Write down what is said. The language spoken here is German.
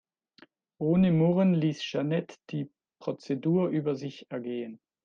Ohne Murren ließ Jeanette die Prozedur über sich ergehen.